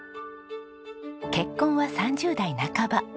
結婚は３０代半ば。